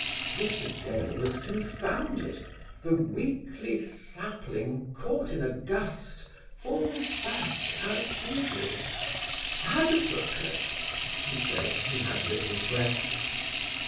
Mr. Dale was confounded; the weakly sapling caught in a gust falls back as he did. "Advocate?" he said. He had little breath.